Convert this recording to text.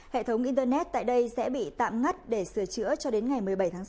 hệ thống internet tại đây sẽ bị tạm ngắt để sửa chữa cho đến ngày một mươi bảy tháng sáu